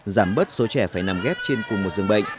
giảm bớt số trẻ phải nằm ghép trên cùng một dường bệnh